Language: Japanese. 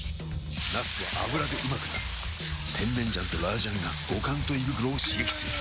なすは油でうまくなる甜麺醤と辣醤が五感と胃袋を刺激する！